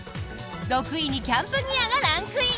６位にキャンプギアがランクイン。